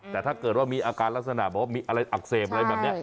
แต่ถ้าเกิดว่ามีอาการลักษณะบอกว่ามีอะไรอักเสบอะไรแบบนี้